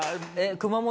熊本